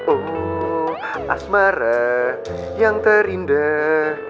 oh asmara yang terindah